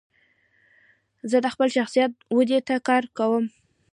زه د خپل شخصیت ودي ته کار کوم.